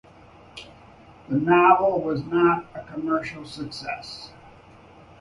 The novel was not a commercial success.